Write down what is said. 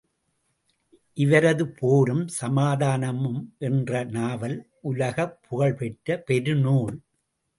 இவரது போரும் சமாதானமும் என்ற நாவல் உலகப் புகழ் பெற்ற பெருநூல்!